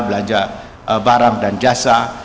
belanja barang dan jasa